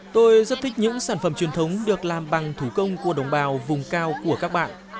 tôi rất thích những sản phẩm truyền thống được làm bằng thủ công của đồng bào vùng cao của các bạn